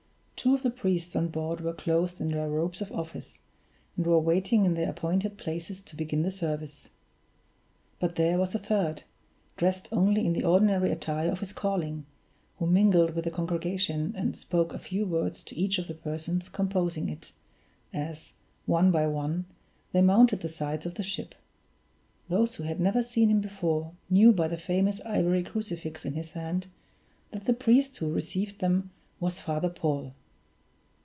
Two of the priests on board were clothed in their robes of office, and were waiting in their appointed places to begin the service. But there was a third, dressed only in the ordinary attire of his calling, who mingled with the congregation, and spoke a few words to each of the persons composing it, as, one by one, they mounted the sides of the ship. Those who had never seen him before knew by the famous ivory crucifix in his hand that the priest who received them was Father Paul.